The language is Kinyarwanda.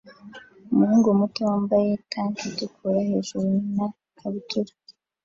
Umuhungu muto wambaye tank itukura hejuru na ikabutura